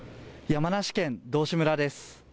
山梨県道志村です。